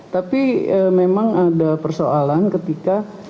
tapi memang ada persoalan ketika